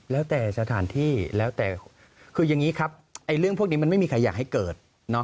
แล้วแต่สถานที่แล้วแต่คืออย่างนี้ครับเรื่องพวกนี้มันไม่มีใครอยากให้เกิด